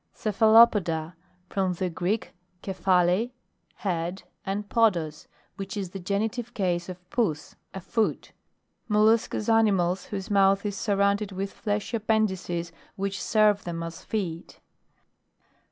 CEPHALOPODA. From the Greek ke phale, head, and podos, which is the genitive case of pons, a foot. Mol luscous animals whose mouth i: surrounded with fleshy appendices which serve them as feet.